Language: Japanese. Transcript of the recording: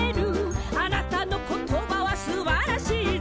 「あなたの言葉はすばらしいぞ」